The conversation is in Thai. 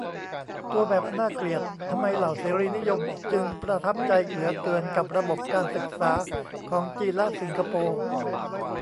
ตัวแบบอันน่าเกลียด : ทำไมเหล่าเสรีนิยม จึงประทับใจเหลือเกินกับระบบการศึกษาของจีนและสิงคโปร์ ?